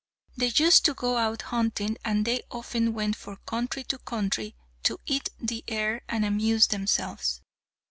They used to go out hunting, and they often went from country to country to eat the air and amuse themselves.